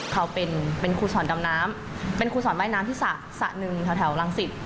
เขาเป็นครูสอนดำน้ำเป็นครูสอนว่ายน้ำที่สระหนึ่งแถวรังสิต